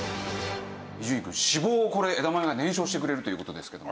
伊集院くん脂肪を枝豆が燃焼してくれるという事ですけど。